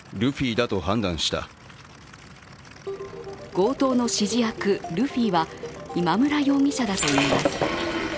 強盗の指示役・ルフィは今村容疑者だといいます。